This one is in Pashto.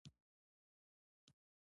د ډيپلوماسي بنسټونه د اسدالله الفت کتاب دی.